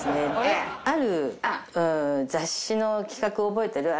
ある雑誌の企画覚えてる？